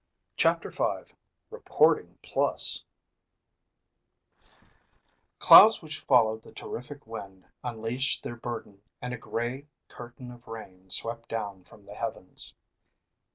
CHAPTER V Reporting Plus Clouds which followed the terrific wind unleashed their burden and a gray curtain of rain swept down from the heavens.